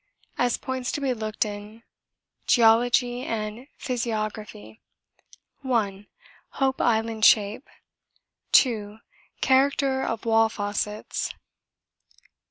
As points to be looked to in Geology and Physiography: 1. Hope Island shape. 2. Character of wall facets.